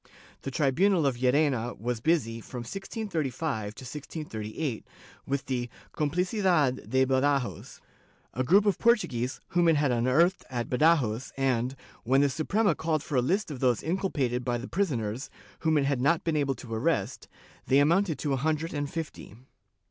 The tribunal of Llerena was busy, from 1635 to 1638, with the "compHcidad de Badajoz," a group of Portuguese, whom it had unearthed at Badajoz and, when the Suprema called for a hst of those inculpated by the prisoners, whom it had not been able to arrest, they amounted to a hundred and fifty